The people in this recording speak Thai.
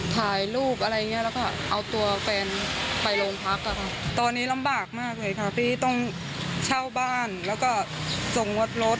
ทำงานแทนแปนหรือบางอย่าง